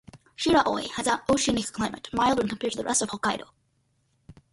Shiraoi has an oceanic climate, mild when compared to the rest of Hokkaido.